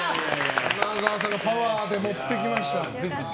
花澤さんがパワーで持っていきました。